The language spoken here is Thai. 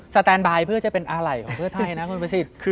สแตนไบเพื่อจะเป็นอาไหล่ของเพื่อชัยนะครับคุณพระศิษย์